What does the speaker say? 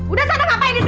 udah sana ngapain di sini